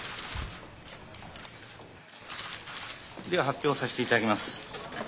では発表させて頂きます。